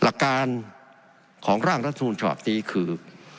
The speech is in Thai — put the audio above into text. หลักการของร่างรัฐธรรมชอบนี้คือ